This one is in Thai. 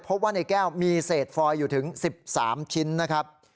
พบว่าในแก้วมีเศษฟอยอยู่ถึง๑๓ชิ้นนะครับ